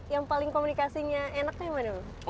yang paling komunikasinya enaknya mana bu